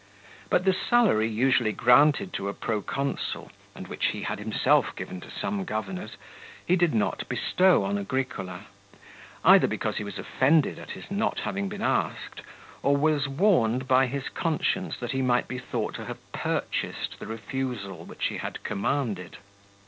But the salary usually granted to a pro consul, and which he had himself given to some governors, he did not bestow on Agricola, either because he was offended at its not having been asked, or was warned by his conscience that he might be thought to have purchased the refusal which he had commanded.